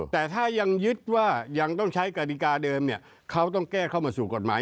แต่ถ้ายังยึดว่ายังต้องใช้กฎิกาเดิมเนี่ยเขาต้องแก้เข้ามาสู่กฎหมาย